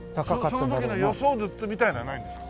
その時の予想図みたいなのはないんですか？